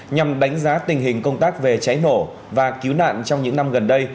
nhằm đánh giá tình hình công tác về cháy nổ và cứu nạn trong những năm gần đây